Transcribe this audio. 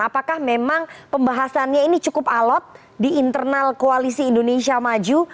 apakah memang pembahasannya ini cukup alot di internal koalisi indonesia maju